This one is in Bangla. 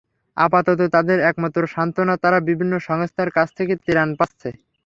আপাতত তাদের একমাত্র সান্ত্বনা তারা বিভিন্ন সংস্থার কাছ থেকে ত্রাণ পাচ্ছে।